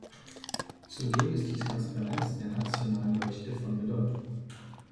Zudem ist die Transparenz der nationalen Berichte von Bedeutung.